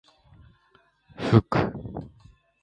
ふく